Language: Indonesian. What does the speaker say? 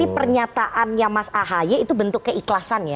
pernyataannya mas ahy itu bentuk keikhlasan ya